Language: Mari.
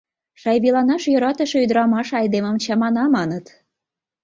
Шайвиланаш йӧратыше ӱдырамаш айдемым чамана, маныт.